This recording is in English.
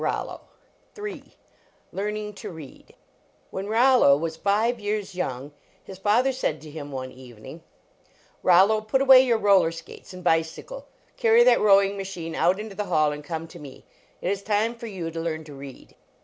ROLLO LEARNING TO READ III IIKX Rollo was five years young, his father said to him one evening: " Rollo, put away your roller skates and bicycle, carry that rowing machine out into the hall, and come to me. It is time for you to learn to read